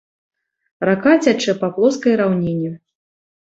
Рака цячэ па плоскай раўніне.